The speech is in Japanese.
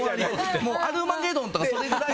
アルマゲドンとかそれくらい。